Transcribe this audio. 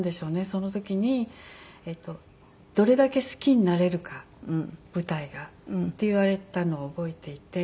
その時に「どれだけ好きになれるか舞台が」って言われたのを覚えていて。